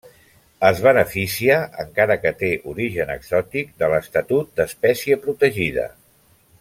Es beneficia, encara que té origen exòtic, de l'estatut d'espècie protegida.